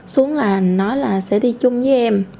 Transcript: xuống là nói là sẽ đi chung với em